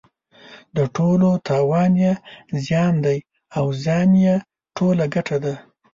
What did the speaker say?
د ټولو تاوان یې زیان دی او زیان یې ټول ګټه ده.